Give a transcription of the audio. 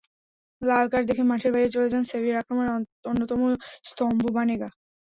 লাল card দেখে মাঠের বাইরে চলে যান সেভিয়ার আক্রমণের অন্যতম স্তম্ভ বানেগা।